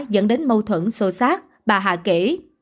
dẫn đến mâu thuẫn sâu sát bà hạ kể